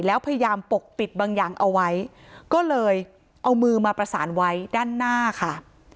แล้วพยายามปกปิดบางอย่างเอาไว้ก็เลยเอามือมาประสานไว้ด้านหน้าค่ะ